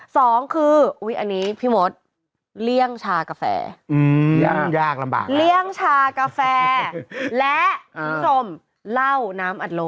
สองคืออันนี้พี่หมดเลี่ยงชากาแฟเลี่ยงชากาแฟและทุ่มสมเล่าน้ำอัดลง